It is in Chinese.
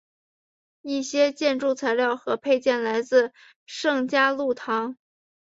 一些建筑材料和配件来自圣嘉禄堂。